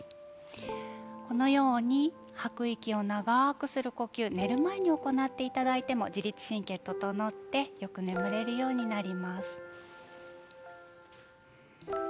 このように吐く息を長くする呼吸寝る前に行っていただいても自律神経が整ってよく眠れるようになります。